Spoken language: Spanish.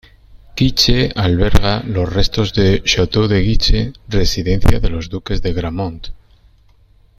Guiche alberga los restos del "château de Guiche", residencia de los duques de Gramont.